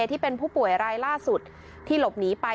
ที่เป็นผู้ป่วยรายล่าสุดที่หลบหนีไป